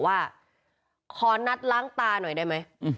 ว่าขอนัดล้างตาหน่อยได้ไหม